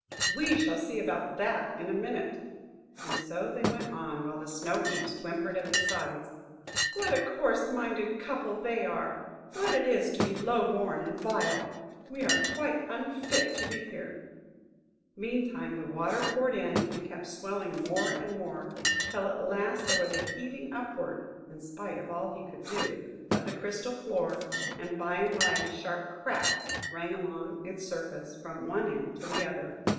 –"We shall see about that in a minute." And so they went on, while the Snow heaps whimpered at the sides: "What a coarse minded couple they are! What it is to be low born and vile! We are quite unfit to be here!" Meantime, the water poured in, and kept swelling more and more; till at last there was a heaving upward–in spite of all he could do–of the crystal floor; and by and by a sharp crack rang along its surface, from one end to the other.